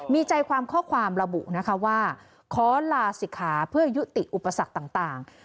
มีใจความข้อความระบุนะคะว่าขอลาศิกขาเพื่อยุติอุปสรรคต่าง